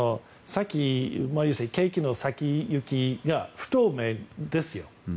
景気の先行きが不透明ですよ。